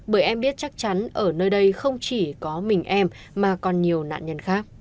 bởi em biết chắc chắn ở nơi đây không chỉ có mình em mà còn nhiều nạn nhân khác